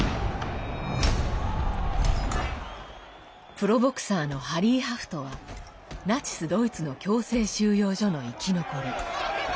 プロボクサーのハリー・ハフトはナチス・ドイツの強制収容所の生き残り。